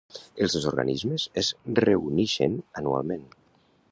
Els dos organismes es reunixen anualment.